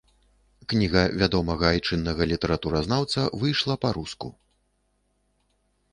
Кніга вядомага айчыннага літаратуразнаўца выйшла па-руску.